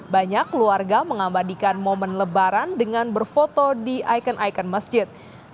banyak keluarga mengabadikan momen lebaran dengan berfoto di ikon ikon masjid